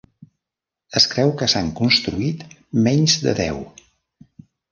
Es creu que s'han construït menys de deu.